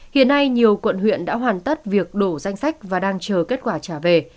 hiện nay nhiều quận huyện đã hoàn tất việc đổ danh sách và đang chờ kết quả trả về